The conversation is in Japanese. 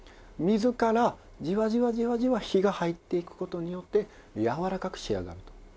水からじわじわじわじわ火が入っていく事によってやわらかく仕上がると。